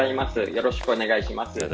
よろしくお願いします。